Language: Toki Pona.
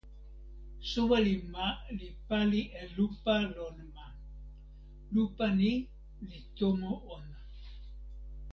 soweli ma li pali e lupa lon ma. lupa ni li tomo ona.